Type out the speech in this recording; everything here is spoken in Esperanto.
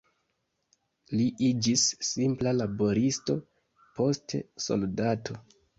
Li iĝis simpla laboristo, poste soldato.